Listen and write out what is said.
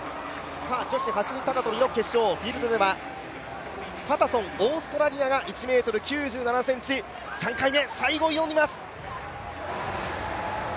女子走高跳の決勝、フィールドではパタソン、オーストラリアが１ｍ９７ｃｍ３回目。